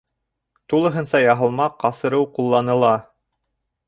Тулыһынса яһалма ҡасырыу ҡулланыла.